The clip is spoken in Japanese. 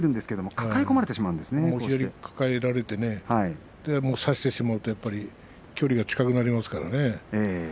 抱え込まれて差してしまうと距離が近くなりますからね。